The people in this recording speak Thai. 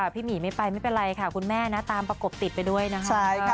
พี่หมีไม่ไปไม่เป็นไรค่ะคุณแม่นะตามประกบติดไปด้วยนะคะ